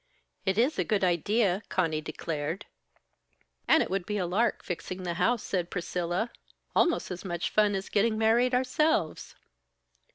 "It is a good idea!" Conny declared. "And it would be a lark, fixing the house," said Priscilla. "Almost as much fun as getting married ourselves."